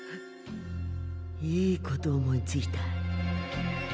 いいこと思いついた。